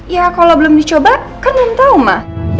ya kalau belum dicoba kan nentau ma